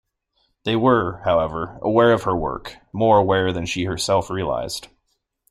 They were, however, aware of her work, more aware than she herself realized.